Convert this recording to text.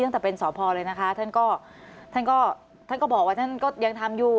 ตั้งแต่เป็นสพเลยนะคะท่านก็บอกว่าท่านก็ยังทำอยู่